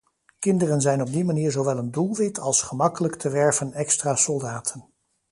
Kinderen zijn op die manier zowel een doelwit als gemakkelijk te werven extra soldaten.